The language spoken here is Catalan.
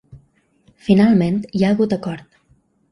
Finalment, hi ha hagut acord.